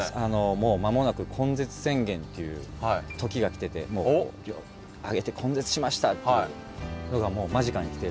もう間もなく根絶宣言っていう時が来てて手を挙げて根絶しましたっていうのがもう間近に来ているので。